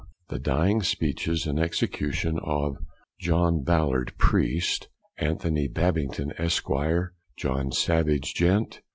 The DYING SPEECHES and EXECUTION of John Ballard, priest; Anthony Babington, Esq.; John Savage, Gent.